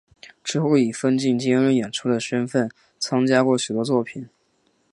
之后以分镜兼任演出的身分参加过许多作品。